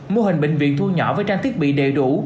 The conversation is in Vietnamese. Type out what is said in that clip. mô hình bệnh viện thu nhỏ với trang thiết bị đầy đủ